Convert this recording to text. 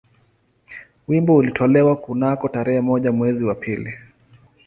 Wimbo ulitolewa kunako tarehe moja mwezi wa pili